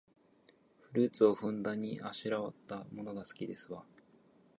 フルーツをふんだんにあしらったものが好きですわ